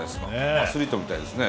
アスリートみたいですね。